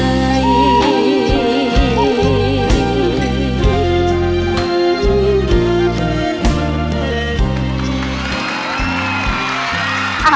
เสียงเพราะ